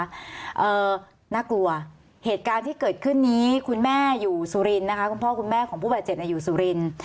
น่ากลัวเหตุการณ์ที่เกิดขึ้นนี้คุณแม่อยู่สุรินทร์นะคะคุณพ่อคุณแม่ของผู้บาดเจ็บเนี่ยอยู่สุรินทร์